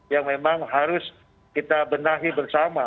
yang memang harus kita benahi bersama